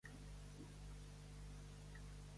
En Miguel s'ha pelat i ara té fred a la closca